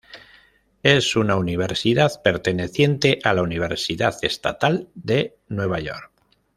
Es una universidad perteneciente a la Universidad Estatal de Nueva York.